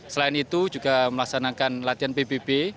selain itu juga melaksanakan latihan pbb